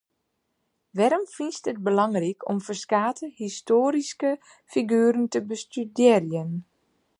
Wêrom fynst it belangryk om ferskate histoaryske figueren te bestudearjen?